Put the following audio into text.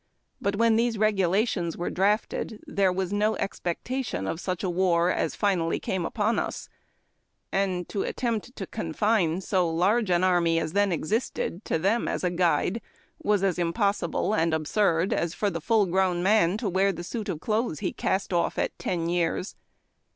Jjut when these regulations were drafted, there was no expec tation of sueii a war as finally came upon us, and to attempt to confine so large an army as then existed to them as a guide was as impo,<sil/lc; and absurd as for the full grown man to wear the suit oT rlothes he cast off at ten years.